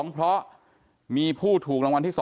เพราะมีผู้ถูกรางวัลที่๒